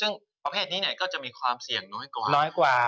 ซึ่งประเภทนี้ก็จะมีความเสี่ยงน้อยกว่าน้อยกว่า